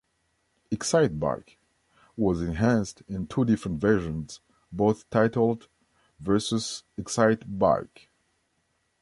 "Excitebike" was enhanced in two different versions, both titled "Versus Excitebike".